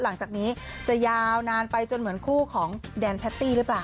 หลังจากนี้จะยาวนานไปจนเหมือนคู่ของแดนแพตตี้หรือเปล่า